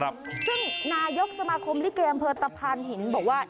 ซึ่งนายกสมาคมลิเกอำเภอตะพานหินบอกว่า